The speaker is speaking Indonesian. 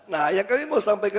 nah yang kami mau sampaikan